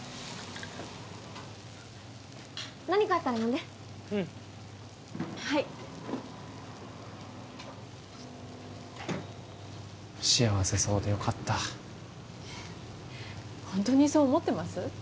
何かあったら呼んでうんはい幸せそうでよかったホントにそう思ってます？